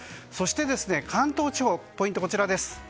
そして、関東地方ポイントはこちら。